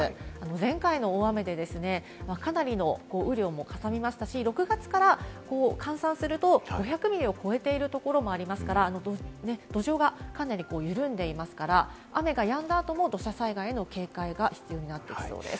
前回の大雨でかなりの雨量がかさみましたし、６月から換算すると、５００ミリを超えているところもありますから、土壌がかなり緩んでいますから、雨がやんだ後も土砂災害への警戒が必要になっていきそうです。